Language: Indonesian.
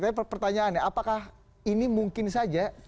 tapi pertanyaannya apakah ini mungkin saja